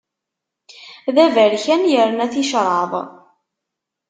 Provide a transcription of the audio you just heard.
D aberkan yerna ticraḍ.